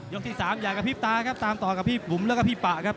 ยกที่๓อย่ากระพรีปตาครับตามต่อกับพี่บุ๋มและพี่ปะครับ